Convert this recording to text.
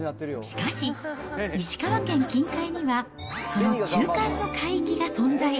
しかし、石川県近海には、その中間の海域が存在。